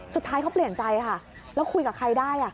สุดท้ายเขาเปลี่ยนใจค่ะแล้วคุยกับใครได้